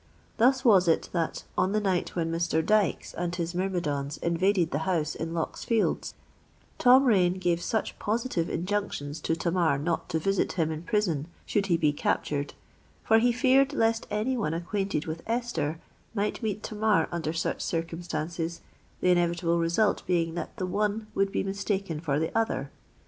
Thus was it that, on the night when Mr. Dykes and his myrmidons invaded the house in Lock's Fields, Tom Rain gave such positive injunctions to Tamar not to visit him in prison, should he be captured; for he feared lest any one acquainted with Esther might meet Tamar under such circumstances, the inevitable result being that the one would be mistaken for the other.